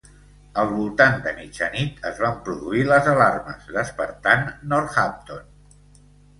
Al voltant de mitjanit es van produir les alarmes despertant Northampton.